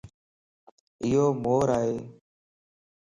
ايو مور ائي